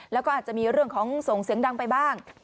แล้วก็อาจจะมีเรื่องของส่งเสียงดังไปบ้าง